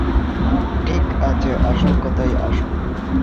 ঠিক আছে, আসল কথায় আসুন।